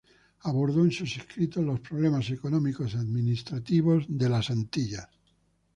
Abordó en sus escritos los problemas económico-administrativos de las Antillas.